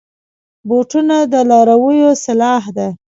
بوټونه د لارویو سلاح ده.